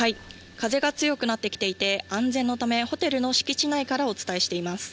風が強くなってきていて、安全のため、ホテルの敷地内からお伝えしています。